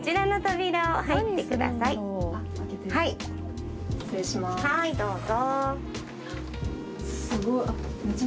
はいどうぞ。